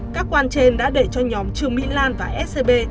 các quan trên đã để cho nhóm trường mỹ lan và scb